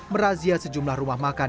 merazia sejumlah rumah makan